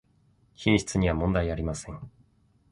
品質にはもんだいありません